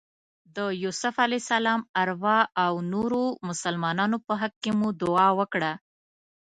د یوسف علیه السلام ارواح او نورو مسلمانانو په حق کې مو دعا وکړه.